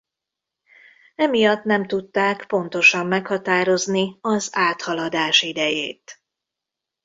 Emiatt nem tudták pontosan meghatározni az áthaladás idejét.